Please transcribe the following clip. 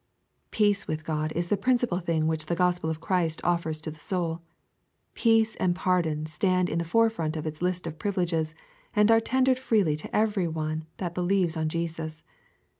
Peace with Grod is the principal thing which the Gospel of Christ offers to the soul. Peace and pardon stand in the forefront of its list of privileges, and are tendered freely to every one that believes on Jesus.